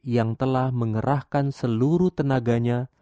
yang telah mengerahkan seluruh tenaganya